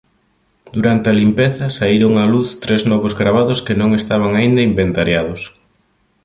Durante a limpeza saíron á luz tres novos gravados que non estaban aínda inventariados.